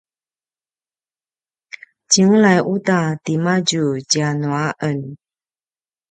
tjengelay uta timadju tjanu a en